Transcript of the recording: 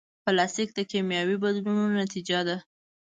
پلاستيک د کیمیاوي بدلونونو نتیجه ده.